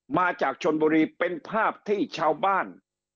มาจากชนบุรีเป็นภาพที่ชาวบ้าน